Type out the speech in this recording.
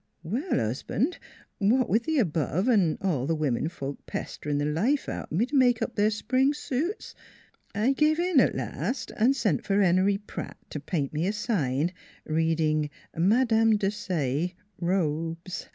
Well, Husband, what with the above, & all the women folks pestering the life out of me to make up their spring suits, I give in at last & sent for Henry Pratt to paint me a sign, reading Madame Desaye, Robes.